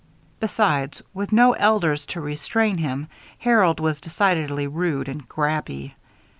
Besides, with no elders to restrain him, Harold was decidedly rude and "grabby."